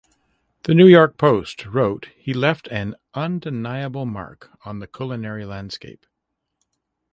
The "New York Post" wrote he left an undeniable mark on the culinary landscape.